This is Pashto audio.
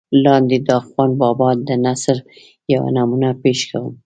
لاندې دَاخون بابا دَنثر يوه نمونه پېش کوم